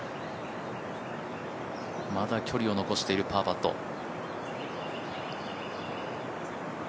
まだ距離を残しているパーパット。